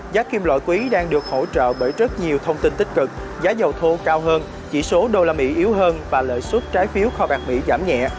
giá kim loại quý đang được hỗ trợ bởi rất nhiều thông tin tích cực giá dầu thô cao hơn chỉ số usd yếu hơn và lợi suất trái phiếu kho bạc mỹ giảm nhẹ